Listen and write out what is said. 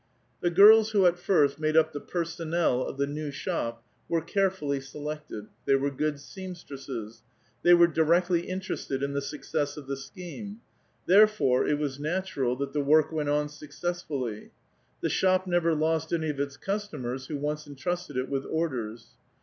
The girls who at first made up the />erso/i€Z/e of the new shop were carefully selected ; they were good seamstresses they were directly interested in the success of the scheme ; therefore, it was natural that the work went on successfully. The shop never lost any of its customers who once entrusted it with orders.